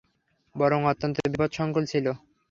বরং অত্যন্ত বিপদসংকুল ছিল।